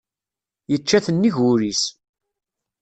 Yečča-t nnig wul-is.